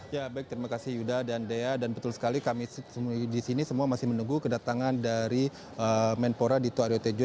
ya baik terima kasih yuda dan dea dan betul sekali kami di sini semua masih menunggu kedatangan dari menpora dito aryo tejo